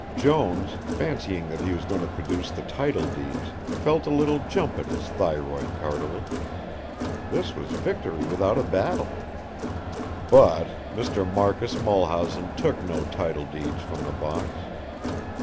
Jones, fancying that he was going to produce the title deeds, felt a little jump at his thyroid cartilage. This was victory without a battle. But Mr. Marcus Mulhausen took no title deeds from the box.